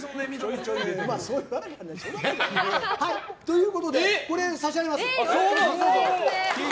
ということでこれ、差し上げます。